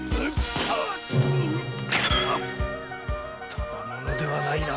ただ者ではないな。